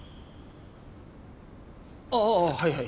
ああはいはい。